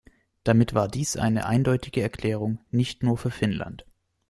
Damit war dies eine eindeutige Erklärung, nicht nur für Finnland.